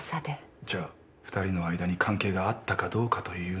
じゃあ二人の間に関係があったかどうかというのは。